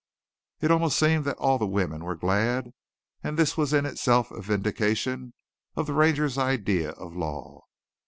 It almost seemed that all the women were glad, and this was in itself a vindication of the Ranger's idea of law.